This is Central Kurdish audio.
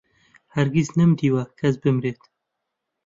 هەرگیز نەمدیوە کەس بمرێت